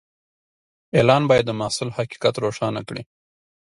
اعلان باید د محصول حقیقت روښانه کړي.